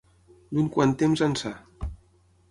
D'un quant temps ençà.